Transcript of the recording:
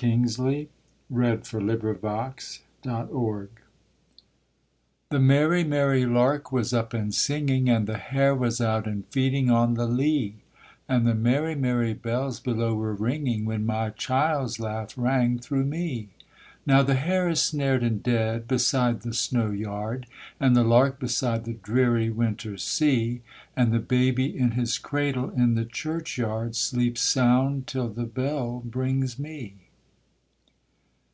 Eversley, 1848. A LAMENT The merry merry lark was up and singing, And the hare was out and feeding on the lea; And the merry merry bells below were ringing, When my child's laugh rang through me. Now the hare is snared and dead beside the snow yard, And the lark beside the dreary winter sea; And the baby in his cradle in the churchyard Sleeps sound till the bell brings me.